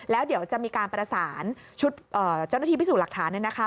แล้วเดี๋ยวจะมีการประสานชุดเจ้าหน้าที่พิสูจน์หลักฐานเนี่ยนะคะ